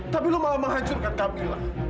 tapi lo malah menghancurkan camilla